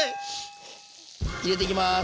入れていきます。